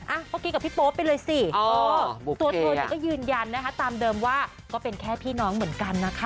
เมื่อกี้กับพี่โป๊ปไปเลยสิตัวเธอเนี่ยก็ยืนยันนะคะตามเดิมว่าก็เป็นแค่พี่น้องเหมือนกันนะคะ